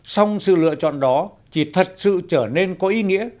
song sự lựa chọn đó chỉ thật sự trở nên có ý nghĩa